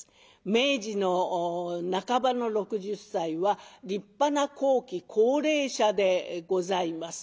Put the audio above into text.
明治の半ばの６０歳は立派な後期高齢者でございます。